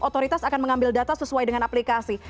otoritas akan mengambil data sesuai dengan aplikasi